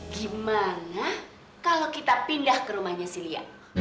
gimana kalau kita pindah ke rumahnya si lia